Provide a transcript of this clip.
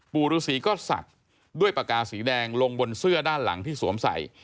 ปู่ฤษีก็ศักดิ์ด้วยปากกาสีแดงลงบนเสื้อด้านหลังที่สวมใส่